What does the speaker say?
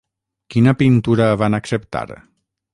Quina pintura van acceptar?